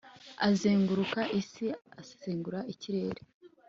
azenguruka isi, asesengura ikirere